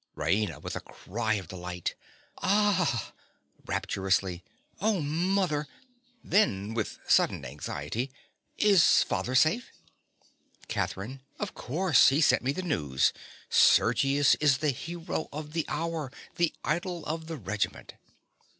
RAINA. (with a cry of delight). Ah! (Rapturously.) Oh, mother! (Then, with sudden anxiety) Is father safe? CATHERINE. Of course: he sent me the news. Sergius is the hero of the hour, the idol of the regiment.